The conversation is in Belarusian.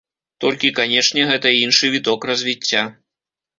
Толькі, канечне, гэта іншы віток развіцця.